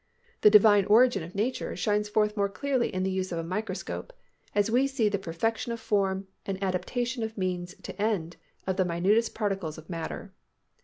The Divine origin of nature shines forth more clearly in the use of a microscope as we see the perfection of form and adaptation of means to end of the minutest particles of matter.